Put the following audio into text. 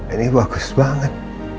ini bagus banget